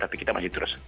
tapi kita masih terus